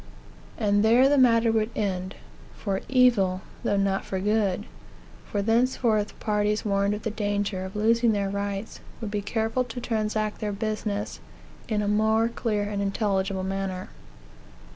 And there the matter would end, for evil, though not for good; for thenceforth parties, warned, of the danger of losing their rights, would be careful to transact their business in a more clear and intelligible manner.